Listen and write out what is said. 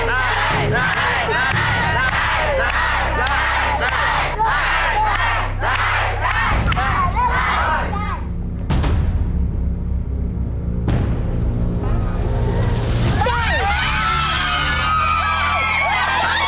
โอ้โฮ